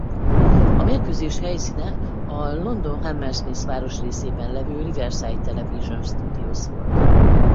A mérkőzés helyszíne a London Hammersmith városrészében levő Riverside Television Studios volt.